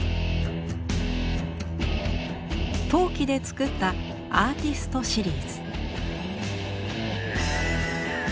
陶器で作った「アーティスト」シリーズ。